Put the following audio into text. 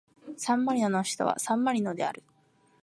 サンマリノの首都はサンマリノである